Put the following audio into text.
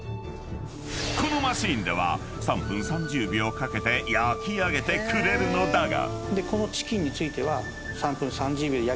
［このマシンでは３分３０秒かけて焼き上げてくれるのだが］